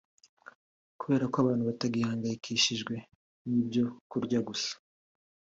kubera ko abantu batagihangayikishijwe n’ibyo kurya gusa